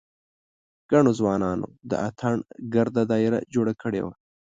ګڼو ځوانانو د اتڼ ګرده داېره جوړه کړې وه.